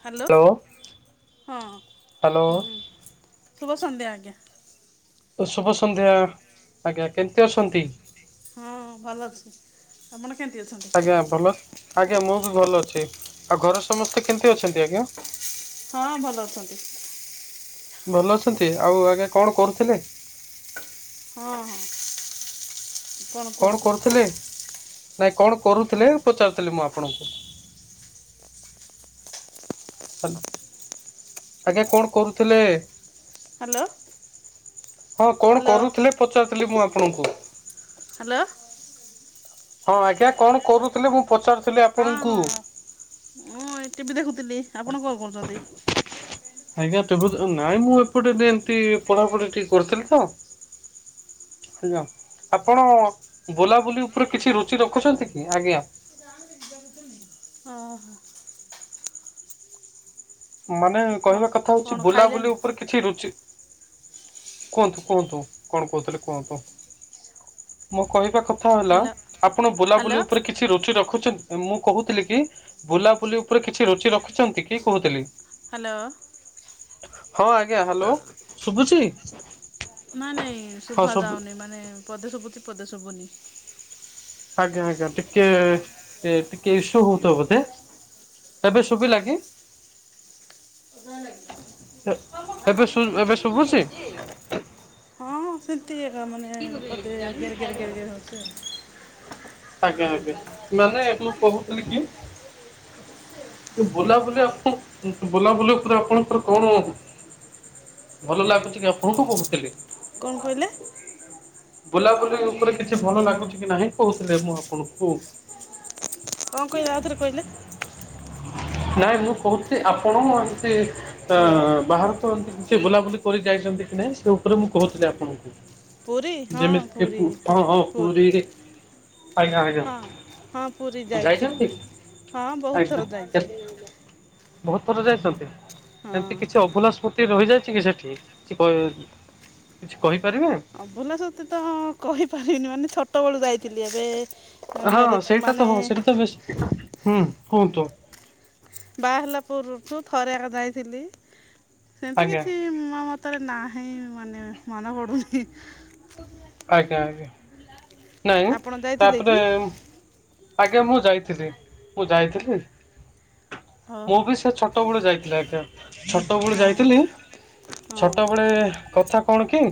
Hello. ହଁ, hello ଶୁଭ ସନ୍ଧ୍ୟା ଆଜ୍ଞା। ତ ଶୁଭ ସନ୍ଧ୍ୟା। ଆଜ୍ଞା, କେମତି ଅଛନ୍ତି? ହଁ, ଭଲ ଅଛି। ଆପଣ କେମିତି ଅଛନ୍ତି? ଆଜ୍ଞା ଭଲ। ଆଜ୍ଞା ମୁଁ ବି ଭଲ ଅଛି। ଆଉ ଘରେ ସମସ୍ତେ କେମିତି ଅଛନ୍ତି ଆଜ୍ଞା? ହଁ ଭଲ ଅଛନ୍ତି। ଭଲ ଅଛନ୍ତି, ଆଉ ଆଜ୍ଞା କଣ କରୁଥିଲେ? ହଁ ହଁ। କଣ କରୁଥିଲେ? ନାଇଁ କଣ କରୁଥିଲେ ପଚାରୁଥିଲି ମୁଁ ଆପଣଙ୍କୁ? ଆଜ୍ଞା କଣ କରୁଥିଲେ? ହାଲୋ! ହଁ କଣ କରୁଥିଲେ ପଚାରୁିଥିଲି ମୁଁ ଆପଣଙ୍କୁ? ହାଲୋ, ହଁ ଆଜ୍ଞା କଣ କରୁଥିଲେ ମୁଁ ପଚା ହଁ ହଁ ହଁ, ମୁଁ ଏଇ ଟିଭି ଦେଖୁଥିଲି, ଆପଣ କଣ କରୁଛନ୍ତି? ଆଜ୍ଞା ଟିଭ, ନାଇଁ ମୁଁ ଏପଟେ ଏମତି ପଢାପଢି ଟିକେ କରୁଥିଲି ତ! ଆଜ୍ଞା, ଆପଣ ବୁଲାବୁଲି ଉପରେ କିଛି ରୁଚି ରଖୁଛନ୍ତି କି? ଆଜ୍ଞା ଓ ହୋ ମାନେ କହିବା କଥା ହଉଛି ବୁଲାବୁଲି ଉପରେ କିଛି ରୁଚି କୁହନ୍ତୁ, କୁହନ୍ତୁ କଣ କହୁଥିଲେ କୁହନ୍ତୁ? ମୁଁ କହିବା କଥା ହେଲା ହ୍ୟାଲୋ ଆପଣ ହ୍ୟାଲୋ ବୁଲାବୁଲି ଉପରେ କି କିଛି ରୁଚି ରଖୁଛ ମୁଁ କହୁଥିଲି କି ବୁଲାବୁଲି ଉପରେ କିଛି ରୁଚି ରଖୁଛନ୍ତି କି କହୁଥିଲି। ହ୍ୟାଲୋ, ହଁ ଆଜ୍ଞା ହ୍ୟାଲୋ, ଶୁଭୁଛି ନାଇଁ ନାଇଁ ହଁ ଶୁଭା ସବୁ ଯାଉନି। ମାନେ ପଦେ ଶୁଭୁଛି, ପଦେ ଶୁଭୁନି। ଆଜ୍ଞା ଆଜ୍ଞା ଟିକେ, ଟିକେ ଇସୁ ହଉଥବ ବୋଧେ। ଏବେ ଶୁଭିଲା କି? ଏ ଏବେ ଶୁ ଏବେ ଶୁଭୁଛି? ହଁ ସେମିତି ଏକ ମାନେ ପଦେ ଗେରେ, ଗେରେ, ଗେରେ, ଗେରେ ହଉଚି ଆଉ ଅଜ୍ଞା, ଆଜ୍ଞ। ମାନେ, ମୁଁ କହୁଥିଲି କି କି ବୁଲାବୁଲି ଆପଣ, ବୁଲାବୁଲି ଉପରେ ଆପଣଙ୍କର କଣ ଭଲ ଲାଗୁଛି କି ଆପଣଙ୍କୁ? କହୁଥିଲି।। କଣ କହିଲେ? ବୁଲାବୁଲି ଉପରେ କିଛି ଭଲ ଲାଗୁଛି କି ନାହିଁ କହୁଥିଲି ମୁଁ ଆପଣଙ୍କୁ। କଣ କହିଲେ ଆଉଥରେ କହିଲେ। ନାଇଁ ମୁଁ କହୁଛି ଆପଣ ମୁଁ ଏମିତି ଅ ହ୍ୟାଲୋ ବାହାର କୁ କିଛି ବୁଲାବୁଲି କରି ଯାଇଛନ୍ତି କି ନାହିଁ, ସେ ଉପରେ ମୁଁ କହୁଥିଲି ଆପଣଙ୍କୁ। ପୁରୀ ହଁ ପୁରୀ ଯେମିତିକି [unintelligible] ହଁ ହୋଉ ପୁରୀ ପୁରୀରେ ଆଜ୍ଞା ଆଜ୍ଞା ହଁ ହଁ ପୁରୀ ଯାଇଛନ୍ତି ଯାଇଥିଲି ହଁ ବହୁତ ଥର ଆଜ୍ଞା କେ ଯାଇଛି ବହୁତ ଥର ଯାଇଛନ୍ତି, ହଁ ଏମତି କିଛି ଅଭୁଲା ସ ମୁତି ରହିଯାଇଛି କି ସେଠି। କ କିଛି କହିପାରିବେ? ଅଭୂଲା ସ୍ମୃତି ତ କହିପାରିବିନି ମାନେ ଛୋଟ ବେଳୁ ଯାଇଥିଲି। ଏବେ ହଁ ମ୍ୟାରେଜ୍ ସେଇଟା ମାନେ ତ ହଁ ସେଇଟା ତ ବେଶ ହୁଁ କୁହନ୍ତୁ। ବାହା ହେଲା ପୂର୍ବରୁ ଥରେ ଆକ ଯାଇଥିଲି ସେମିତି ଆଜ୍ଞା କିଛି ମ ତାରେ ନାହିଁ ମାନେ ମନେ ପଡୁନି। ଆଜ୍ଞା ଆଜ୍ଞା ନାଇଁ ଆପଣ ଯାଇଥିଲେ ତାପରେ କି ଆଜ୍ଞା ମୁଁ ଯାଇଥିଲି ମୁଁ ଯାଇଥିଲି ମୁଁ ଓହୋ ବି ସେ ଛୋ ଟ ବେଳୁ ଯାଇଥିଲି ଆଜ୍ଞା ଛୋଟ ବେଳୁ ହଁ ଯାଇଥିଲି। ହଁ ଛୋଟବେଳେ କଥା କଣ କି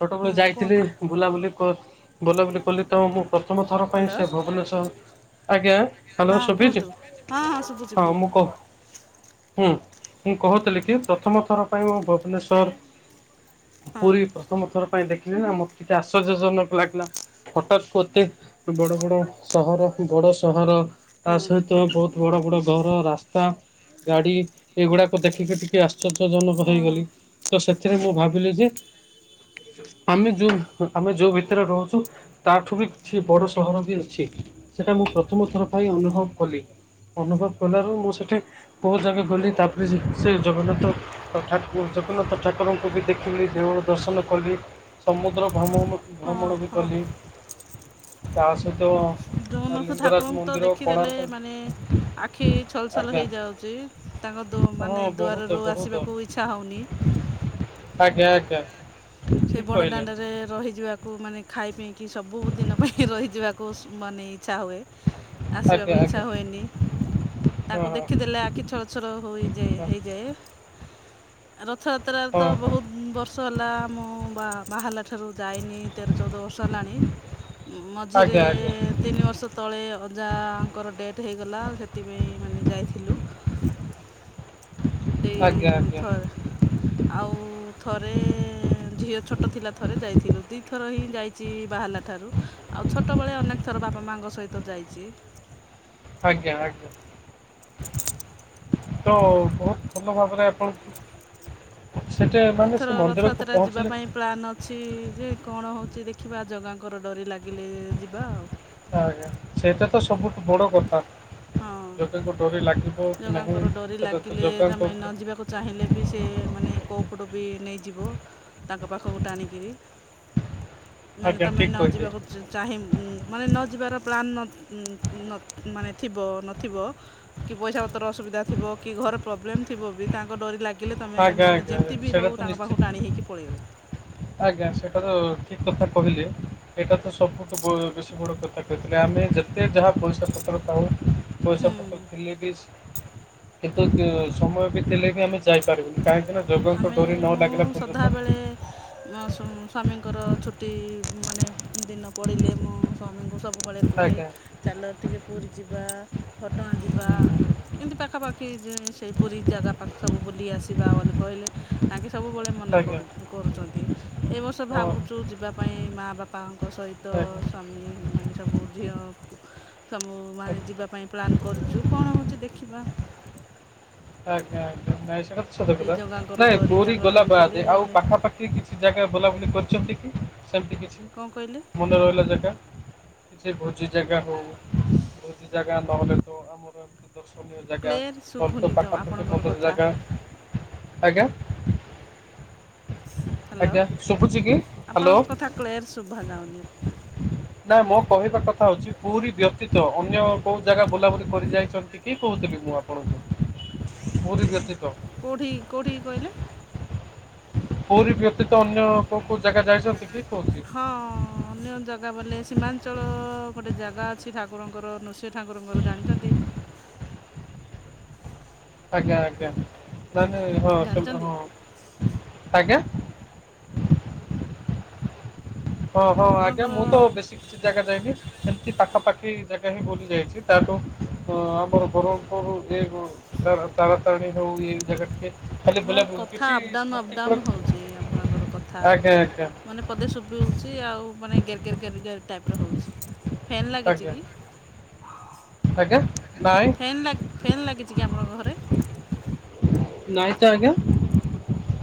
ଛୋଟବେଳେ ହଁ ଯାଇଥିଲି କୁହନ୍ତୁ ବୁଲାବୁଲି କ ବୁଲାବୁଲି କଲି ତ ମୁଁ ପ୍ରଥମଥର ପାଇଁ ହ୍ୟାଲୋ ସେ ଭୁବନେଶ୍ୱର ଆଜ୍ଞା। ହ୍ୟାଲୋ ହଁ କୁହନ୍ତୁ ହଁ ସୁଭିଚି ଶୁଭୁଛି ହଁ କୁହନ୍ତୁ ମୁଁ କହୁ ହୁଁ ମୁଁ କହୁଥିଲି କି ପ୍ରଥମ ଥର ପାଇଁ ମୁଁ ଭୁବନେଶ୍ୱର ହଁ ପୁରୀ ପ୍ରଥମ ଥର ପାଇଁ ଦେଖିଲି ନା ମତେଟିକେ ଆଶ୍ଚର୍ଯ୍ୟଜନକ ଲାଗିଲା। ହଠାତ୍ ଏତେ ବଡ ବଡ ସହର ବଡ ସହର। ତା ହଁ ସହିତ ବହୁତ ବଡ ବଡ ଘର ରାସ୍ତା ଗାଡି ଏଗୁଡାକ ଦେଖିକି ଟିକେ ଆଶ୍ଚର୍ଯ୍ୟଜନକ ହଁ ହଁ ହେଇଗଲି ତ ସେଥିରେ ମୁଁ ଭା ଥିଲି ଯେ ଆମେ ଯୋଉ ଆମେ ଯୋଉ ଭିତରେ ରହୁଛୁ। ତାଠୁ ବି କିଛି ବଡ଼ ସହର ବି ଅଛି ସେଇଟା ମୁଁ ପ୍ରଥମ ଥର ପାଇଁ ଅନୁଭବ କଲି। ଅନୁଭବ କଲାରୁ ମୁଁ ସେଇଠି ବହୁତ ଜାଗା ଗଲି ତାପରେ ସେ ଜଗନ୍ନାଥ ଠା ଜଗନ୍ନାଥ ଠାକୁରଙ୍କୁ ବି ଦେ ଦେଉଳ ଦର୍ଶନ କଲି ସମୁଦ୍ର ହଁ ଭ୍ରମଣ ବି ହଁ କଲି। ତା ସହିତ ଜଗନ୍ନାଥ ଲିଙ୍ଗରାଜ ଠାକୁରଙ୍କୁ ତ ମନ୍ଦିର ଦେଖିଦେଲେ କୋଣାର୍କ ମାନେ ଆଖି ଛଲ ଛଲ ଆଜ୍ଞା ହେଇଯାଉଛି ତାଙ୍କ ମାନେ ହଁ ବହୁତ ଦୁଆରରୁୁ ବହୁତ ଆସିବାକୁ ଇ ଇଚ୍ଛା ହୋଉନି। ଆଜ୍ଞା ଆଜ୍ଞା। ସେଇ ଠିକ ବଡ଼ କହିଲେ। ଦାଣ୍ଡରେ ରହିଯିବା। କୁ ମାନେ ଖାଇପିକି ସବୁଦିନ ପାଇଁ ରହିଯିବାକୁ ମାନେ ଇଚ୍ଛା ହୁଏ। ଆଜ୍ଞା ଆସିବାକୁ ଇଛା ଆଜ୍ଞା ହୁଏନି ହଁ ତାଙ୍କୁ ଦେଖିଦେଲେ ଆଖି ଛଳ ଛଳ ହୋଇଯାଏ ହଁ ହେଇଯାଏ ରଥଯାତ୍ରା ହଁ ତ ହଁ ବହୁତ ବର୍ଷ ହେଲା ମୁଁ ବା ବାହାଲା ଠାରୁ ଯାଇନି। ତେର ଚଉଦ ବର୍ଷ ହେଲାଣି ମଝିରେ ଆଜ୍ଞା ଆଜ୍ଞା ତିନି ବର୍ଷ ତଳେ ଅଜାଙ୍କର ଡେଟ୍ ହେଇଗଲା ଆଉ ସେଥିପାଇଁ ମାନେ ଯାଇଥିଲୁ। ଆଜ୍ଞା ଆଜ୍ଞା। ସେଇଥର ଆଉ ଥରେ ଝିଅ ଛୋଟ ଥିଲା ଥରେ ଯାଇଥିଲୁ ଦି ଥର ହିଁ ଯାଇ ଚି ବାହାରିଲା ଠାରୁ ଆଉ ଛୋଟବେଳେ ଅନେକ ଥର ବାପା ମାଆଙ୍କ ସହିତ ଯାଇଛି। ଆଜ୍ଞା ଆଜ୍ଞା ତ ବହୁତ ଭଲ ଭାବରେ ଆପଣଙ୍କୁ ସେଠେ ମାନେ ଏଥର ସେ ମନ୍ଦିରକୁ ରଥଯାତ୍ରା ଯିବା ପହଞ୍ଚିଲେ ପାଇଁ ପ୍ଲାନ୍ ଅଛି ଯେ କଣ ହୋଉଚି ଦେଖିବା ଜଗାଙ୍କର ଡରି ଲାଗିଲେ ଯିବା ଆଉ ଆଜ୍ଞା ସେଇଟା ତ ସବୁଠୁ ବଡ କଥା। ହଁ ଜାଗା ଙ୍କ ଡୋରି ଲାଗିବ କି ନାହିଁ ଜଗାଙ୍କର ଡୋରି ସେଟ ତ ଲାଗିଲେ ଜାଗା ତମେ ଙ୍କ ନ ଉପ ଯିବାକୁ ଚାହିଁଲେ ବି ସେ ମାନେ କଉପଟ ବି ନେଇଯିବ ତାଙ୍କ ପାଖକୁ ଟାଣିକିରି। ମାନେ ଆଜ୍ଞା ତମେ ଠିକ୍ ନ କହିଲେ ଯିବାକୁ ଚାହିଁ ମାନେ ନ ଯିବାର ପ୍ଲାନ୍ ନ ମାନେ ଥିବ ନଥିବ କି ପଇସା ପତ୍ର ଅସୁବିଧାଥିବ କି ଘରେ ପ୍ରୋବ୍ଲେମ୍ ଥିବ ବି ତାଙ୍କ ଡରି ଲାଗିଲେ ତମେ ଆଜ୍ଞା ମାନେ ଆଜ୍ଞା ଯେମିତି ବି ସେଇଟା ହେଉ ତ ତାଙ୍କ ନିଶ୍ଚିତ ପାଖକୁ ଟାଣି ହେଇକି ପଳେଇବ। ଆଜ୍ଞା ସେଟା ତ ଠିକ କଥା କହିଲେ। ଏଇଟା ତ ସବୁଠୁ ବେଶୀ ବଡ଼ କଥା କହିଥିଲେ ଆମେ ଯେତେ ଯାହା ପଇସା ପତ୍ର ଥାଉ ପଇସା ପତ୍ର ହୁଁ [unintelligible] କେତେ ସମୟ ବିତେଲେ ବି ଆମେ ଯାଇପାରିବନି କାହିଁକିନା ଜଗା ଙ୍କ ଆମେ ଡୋରି ନ ମୁଁ ଲାଗିଲା ପର୍ଯ୍ୟନ୍ତ ସଦାବେଳେ ମୋ ସ ସ୍ୱାମୀଙ୍କର ଛୁଟି ମାନେ ଦିନ ପଡିଲେ ମୋ ସ୍ଵାମୀଙ୍କୁ ସବୁବେଳେ କୁହେ ଆଜ୍ଞା ଚାଲ ଟିକେ ପୁରୀ ଯିବା, ଘଟଗାଁ ଯିବା। ହୁଁ, ହୁଁ। ଏମିତି ପାଖାପାଖି ସେଇ ପୁରୀ ଜାଗା ପାଖ ସବୁ ବୁଲି ଶିବା ବୋଲି କହିଲେ ଆଙ୍କେ ସବୁବେଳେ ମନା ଆଜ୍ଞା କରୁ କରୁଚନ୍ତି ଏ ବର୍ଷ ହଁ ଭାବୁ ଯେଉ ଯିବା ପାଇଁ ମାଆ ବାପାଙ୍କ ସହିତ ଆଜ୍ଞା ସ୍ୱାମୀ ମାନେ ସବୁ ଝିଅ ସବୁ ମାନେ ଯିବା ପାଇଁ ପ୍ଲାନ୍ କରିଛୁ କଣ ହଉଛି ଦେଖିବା। ଆଜ୍ଞା ଆଜ୍ଞା ନାଇଁ ସେ ଟା ସତ ସେଇ କଥା ଜଗାଙ୍କର ନାଇଁ ଡୋରି ପୁରୀ ତାଙ୍କ ଗଲା ଡୋରି ଥିଲେ ବାହା ଆଉ ପାଖାପାଖି କି କିଛି ଜାଗାରେ ବୁଲାବୁଲି କରିଛନ୍ତି କି ସେମିତି କିଛି? କଣ କହିଲେ? ମନେ ରହିଲା ଜାଗା କିଛି ଭୋଜି ଜାଗା ହଉ ଭୋଜି ଜାଗା ନହେଲେ ଯୋଉ ଆମର ଦର୍ଶନୀୟ ଜାଗା କ୍ଲିୟର ଶୁଭୁନି [unintelligible] ତ ପାଖ ଦଶ ଆପଣଙ୍କର ପନ୍ଦର କଥା ଜାଗା ଆଜ୍ଞା। ହ୍ୟାଲୋ ଆଜ୍ଞା ଶୁଭୁଛି କି? ଆପଣଙ୍କ ହ୍ୟାଲୋ କଥା କ୍ଳେୟର ଶୁଭା ଯାଉନି। ନା ମୋ କହିବା କଥା ହଉଛି ପୁରୀ ବ୍ୟତୀତ ଅନ୍ୟ କୋଉ ଜାଗା ବୁଲାବୁଲି କରି ଯାଇଛନ ଟିକି କହୁଥିଲି ମୁଁ ଆପଣଙ୍କୁ ପୁରୀ ବ୍ୟତୀତ। କେଉଠିକି କେଉଠି କି କହିଲେ? ପୁରୀ ବ୍ୟତୀତ ଅନ୍ୟ କୋଉ କୋଉ ଜାଗା ଯାଇଛନ୍ତି କି କହୁଛି। ହଁ ଅନ୍ୟ ଜାଗା ବୋଲେ ସୀମାଞ୍ଚଳ ଗୋଟେ ଜାଗା ଅଛି ଠାକୁରଙ୍କର ନୃସିିଂହ ଠାକୁରଙ୍କର ଜାଣିଛନ୍ତି? ଆଜ୍ଞା ଆଜ୍ଞା ମାନେ ହଁ ସେ ଜାଣିଛନ୍ତି ହଁ ଆଜ୍ଞା। ହଁ ହଁ ଆଜ୍ଞା ଆପଣଙ୍କର ମୁଁ ତ ବେଶୀ କିଛି ଜାଗା ଯାଇନି ଏମିତି ପାଖାପାଖି ଜାଗା ହିଁ ବୁଲିଯାଇଛି ତାଠୁ ଆମର ବର ହଉ ହଉ ଯେ ଗୁ ତାରାତାରଣୀ ହଉ ଏ ଜାଗା ଟିକେ ଖାଲି ମାନେ ବୁଲାବୁଲି କଥା କିଛି ଅପଡାଉନ ସ୍ମୃତି କ ଅପଡାଉନ ହଉଛି ଆପଣଙ୍କର କଥା ଆଜ୍ଞା ଆଜ୍ଞା ମାନେ ପଦେ ଶୁଭୁଉଛି ଆଉ ମାନେ ଗେର ଗେର ଗେର ଗେ ଟାଇପ୍ ର ହଉଛି। ଫେନ୍ ଲାଗିଛି ଆଜ୍ଞା କି? ଆଜ୍ଞା ନାଇଁ ଆଜ୍ଞା। ନାଇଁ ତ ଆଜ୍ଞା।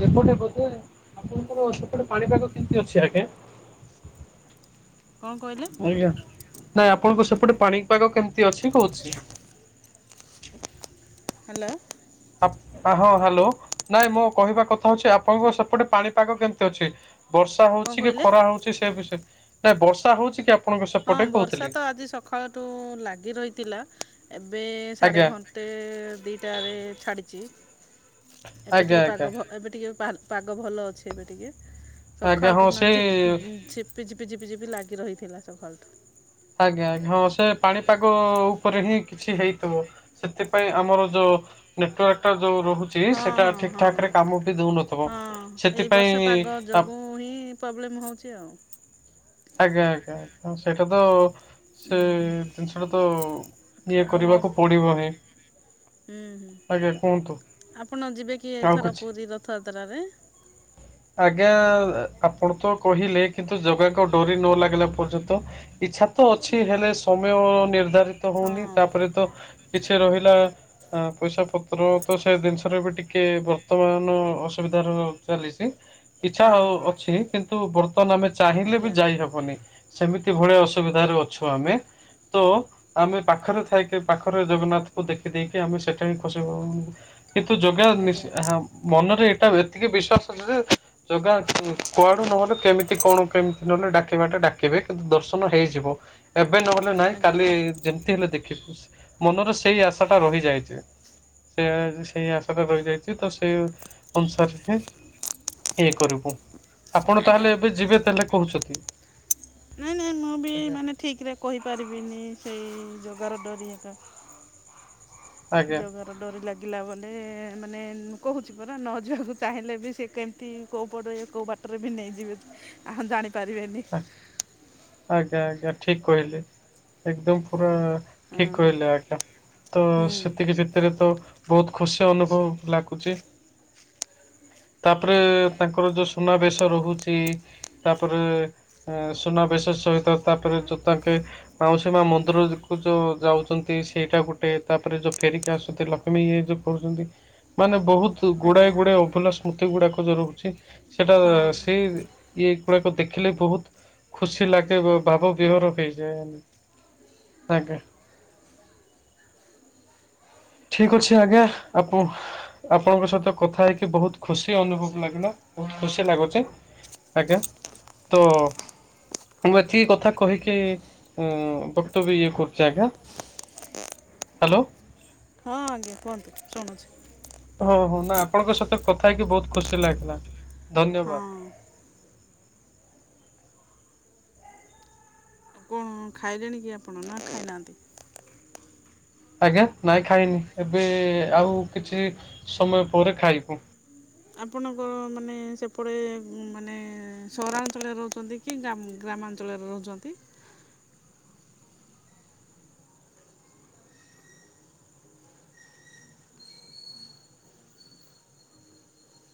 ଏପଟେ ବୋଧେ ଆପଣଙ୍କର ସେପଟେ ପାଣିପାଗ କେମିତି ଅଛି ଆଜ୍ଞା? କଣ କହିଲେ? ଆଜ୍ଞା ନାଇଁ ଆପଣଙ୍କୁ ସେପଟେ ପାଣିପାଗ କେମିତି ଅଛି କହୁଛି। ହ୍ୟାଲୋ। ଆପ୍ ଆଁ ହଁ ହ୍ୟାଲୋ ନାଇଁ ମୁଁ କହିବା କଥା ହଉଛି ଆପଣଙ୍କ ସେପଟେ ପାଣିପାଗ କେମିତି ଅଛି। ବର୍ଷା କଣ ହୋଉଚି କି କହିଲେ ଖରା ହୋଉଚି ସେ ବିଷୟରେ ନାଇଁ ବର୍ଷା ହୋଉଚି କି ଆପ ହଁ ବର୍ଷା ତ ଆଜି ସଖାଳଟୁ ଲାଗି ରହିଥିଲା ଏବେ ସାଢ଼େ ଆଜ୍ଞା ଘଣ୍ଟେ ଦିଇଟାରେ ଛାଡ଼ିଚି। ଏବେ ଆଜ୍ଞା ଟିକେ ପାଗ ଆଜ୍ଞା ଭ ଏବେ ଟିକେ ପାହାଲ ପାଗ ଭଲ ଅଛି ଏବେ ଟିକେ। ଆଜ୍ଞା ହଁ ସଖାଳଠୁ ନା ସେ ଝିପିଝିପି ଝିପିଝିପି ଝିପି ଝିପି ଲାଗି ରହିଥିଲା ସଖାଳଠୁ। ଆଜ୍ଞା ଆଜ୍ଞା ହଁ ସେ ପାଣିପାଗ ଉପରେ ହିଁ କିଛି ହେଇଥିବ। ସେଥିପାଇଁ ଆମର ଯୋଉ ନେଟୱାର୍କ ଟା ଯୋଉ ରହୁ ଚି ହଁ ସେଟା ହଁ ଠିକ୍ ଠାକ୍ ହଁ ରେ କାମ ବି ଦଉନଥିବ ହଁ ଏଇ ବର୍ଷା ସେଥିପାଇଁ ପାଗ ତା ଯୋଗୁଁ ହିଁ ପ୍ରୋବ୍ଲେମ୍ ହଉଛି ଆଉ। ଆଜ୍ଞା ଆଜ୍ଞା ଆଜ୍ଞା ସେଇଟା ତ ଉଁ ସେ ହୁଁ। ଜିନିଷଟା ତ ଇଏ ଆଉ ହୁଁ କରିବାକୁ ପଡି଼ବ ହିଁ। ଆଜ୍ଞା କୁହନ୍ତୁ। ଆପଣ ଯିବେ କି ଆଉ ଏଥର କିଛି ପୁରୀ ରଥଯାତ୍ରାରେ। ଆଜ୍ଞା ଆପଣ ତ କହିଲେ କିନ୍ତୁ ଜଗାକ ଡରି ନ ଲାଗିଲା ପର୍ଯ୍ୟନ୍ତ ଇଚ୍ଛା ତ ଅଛି ହେଲେ ସମୟ ନିର୍ଦ୍ଧାରିତ ହଁ ହଉନି ତାପରେ ତ କିଛି ରହିଲା ଆ ପଇସା ପତ୍ର ତ ସେ ଜିନିଷରେ ବି ଟିକେ ବର୍ତ୍ତମାନ ଅସୁବିଧାର ଚାଲିଛି। ଇଚ୍ଛା ହଉ ହଁ ଅଛି କିନ୍ତୁ ବର୍ତ୍ତମାନ ଆମେ ଚାହିଁଲେ ବି ଆଜ୍ଞା ଯାଇହବନି। ସେମିତି ଭଳି ଅସୁବିଧାରେ ଅଛୁ ଆମେ ତ ଆମେ ପାଖରେ ଥାଇକି ପାଖରେ ଜଗନ୍ନାଥଙ୍କୁ ଦେଖିଦେଇକି ଆମେ ସେଠା ହିଁ ଖୁସି କିନ୍ତୁ ଯୋଗା ଆଜ୍ଞା ନିଶି ହଁ ମନରେ ଏଇଟା ଏତିକି ବିଶ୍ଵାସ ଅଛି ଯେ ଜଗା କୁଆଡ଼ୁ ନହଲେ କେମିତି କଣ କେମିତି ନହଲେ ଡାକିବା ଟା ଡାକିବେ କିନ୍ତୁ ଦର୍ଶନ ହେଇଯିବ। ଏବେ ନହେଲେ ନାହିଁ ଆଜ୍ଞା କାଲି ଯେମିତି ହେଲେ ଦେଖିବି ମନରେ ସେଇ ଆଶା ଟା ରହିଯାଇଛି। ସେଆ ସେଇ ଆଶା ଟା ରହିଯାଇଛି ତ ସେଇ ଅନୁସାରେ ହିଁ ଇଏ କରିବୁ। ଆପଣ ଆଜ୍ଞା। ତାହେଲେ ଏବେ ଯିବେ ତାହେଲେ କହୁଛନ୍ତି ଆଜ୍ଞା। ଠିକ୍ ରେ କହିପାରିବିନି ସେଇ ଜଗାର ଡରି ଏକା ଆଜ୍ଞା ଜଗାର ଡରି ଲାଗିଲା ବଲେ ମାନେ କହୁଛି ପରା ନ ଯିବାକୁ ଚାହିଁଲେ ବି ସେ କେମିତି ତି କୋଉ ପଟେ କଉ ବାଟରେ ବି ନେଇଯିବେ ଆ ଜାଣିପାରିବେନି। ଆଜ୍ଞା ଆଜ୍ଞା ଠିକ୍ କହିଲେ। ଏକଦମ୍ ପୁରା ହଁ ଠିକ୍ ହଁ କହିଲେ ଆଜ୍ଞା ତ ହୁଁ ସେତିକି ଭିତ୍ ସେଥିରେ ତ ବହୁତ ଖୁସି ଅନୁଭବ ଲାଗୁଛି। ତାପରେ ତାଙ୍କର ଯୋଉ ସୁନାବେଶ ରହୁଛି ତାପରେ ଉଁ ସୁନାବେଶ ସହିତ ତାପରେ ଯୋଉ ତାଙ୍କେ ମାଉସୀ ମା ମନ୍ଦିରକୁ ଯୋଉ ଯାଉଛନ୍ତି ସେଇଟା ଗୋଟେ ତାପରେ ଯୋଉ ଫେରିକି ଆସୁଥିଲ ଆମେ ଇଏ ଯୋଉ କରୁଛନ୍ତି ମାନେ ବହୁତ ଗୋଡାଏ ଆଜ୍ଞା ଗୋଡାଏ ଅଭୁଲା ସ୍ମୃତି ଗୁଡାକ ଯୋଉ ରହୁଛି ସେଟା ହଁ ସେ ଇଏ ଗୁଡାକ ଦେଖି ଦେଖିଲେ ବହୁତ ଖୁସି ଲାଗେ ବ ଭାବ ବିହର ହେଇଯାଏ ଆଜ୍ଞା। ଠିକ ଅଛି ଆଜ୍ଞା ଆପଣ ଆପଣଙ୍କ ସହିତ କଥା ହେଇକି ବହୁତ ଖୁସି ଅନୁଭବ ଲାଗିଲା ବହୁତ ଖୁସି ଲାଗୁଚ। ଆଜ୍ଞା ତ ମୁଁ ଏତିକି କଥା କହିକି ଉଁ ବକ୍ତବ ଇଏ କରୁଛି ଆଜ୍ଞା। ହ୍ୟାଲୋ। ହଁ ଆଜ୍ଞା କୁହନ୍ତୁ ଶୁଣୁଛି। ହଁ ହଁ ନା ଆପଣଙ୍କ ସହିତ କଥା ହେଇକି ବହୁତ ଖୁସି ଲାଗିଲା ଧନ୍ୟବାଦ। ହଁ ହଁ ଖାଇଲେଣି କି ଆପଣ ନା ଖାଇନାହାନ୍ତି? ଆଜ୍ଞା ନାଇଁ ଖାଇନି ଏବେ ଆଉ କିଛି ସମୟ ପରେ ଖାଇବୁ। ଆପଣଙ୍କ ମାନେ ସେପଟେ ମାନେ ସହରାଞ୍ଚଳରେ ରହୁଛନ୍ତି। କିନ୍ତି ଜାଣିଲ ଗ୍ରାମାଞ୍ଚଳରେ ରହୁଛନ୍ତି?